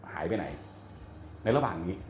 หายไปไหนในระหว่างนี้